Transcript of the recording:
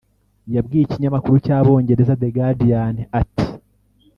yabwiye ikinyamakuru cy’Abongereza The Guardian ati